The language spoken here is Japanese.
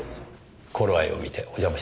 頃合いを見てお邪魔します。